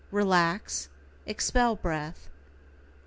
Relax, expel breath.